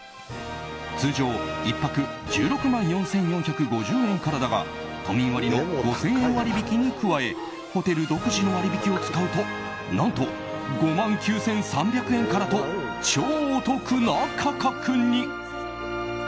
通常１泊１６万４４５０円からだが都民割の５０００円割引に加えホテル独自の割引を使うと何と５万９３００円からと超お得な価格に。